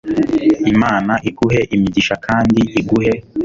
Imana iguhe imigisha kandi iguhe